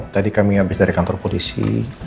tadi kami habis dari kantor polisi